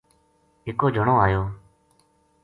اِکو جنو آیو